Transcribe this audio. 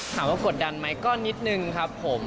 ถามว่ากดดันไหมก็นิดหนึ่งครับผม